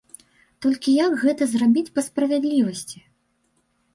Толькі як гэта зрабіць па справядлівасці?